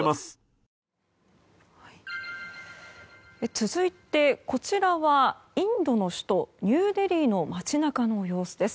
続いて、こちらはインドの首都ニューデリーの街中の様子です。